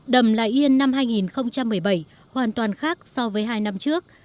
đầm lại yên năm hai nghìn một mươi bảy hoàn toàn khác so với hai năm trước